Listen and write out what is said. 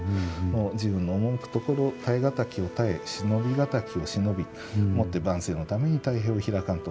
「時運の赴くところ堪え難きを堪え忍び難きを忍びもって万世のために太平を開かんと欲す」と。